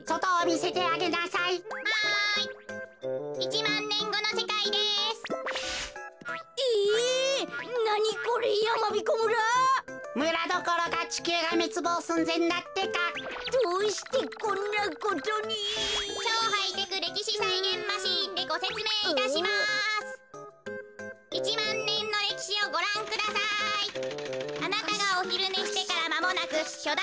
あなたがおひるねしてからまもなくきょだ